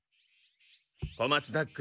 小松田君